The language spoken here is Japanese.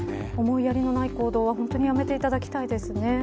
思いやりのない行動は本当にやめていただきたいです。